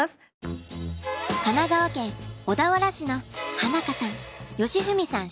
神奈川県小田原市の花香さん喜史さん